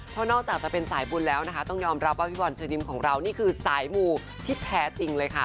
เพราะนอกจากจะเป็นสายบุญแล้วนะคะต้องยอมรับว่าพี่บอลเชิญยิ้มของเรานี่คือสายมูที่แท้จริงเลยค่ะ